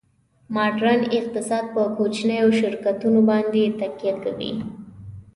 ماډرن اقتصاد په کوچنیو شرکتونو باندې تکیه کوي